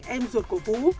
em ruột của vũ